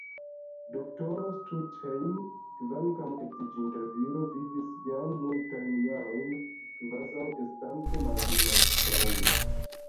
Doktoro Stuthejm, kvankam edziĝinta viro, vivis jam multajn jarojn kvazaŭ estante maljuna fraŭlo.